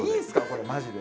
これマジで。